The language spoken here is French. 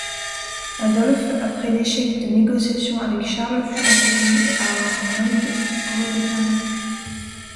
Adolphe, après l'échec de négociations avec Charles, fut emprisonné et Arnold redevint duc.